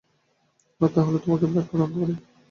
আমরা তাহলে তোমাকে বের করে আনতে পারি।